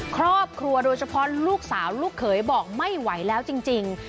ครอบครัวโดยเฉพาะลูกสาวลูกเขยบอกไม่ไหวแล้วจริง